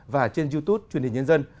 và trên youtube truyền hình nhân dân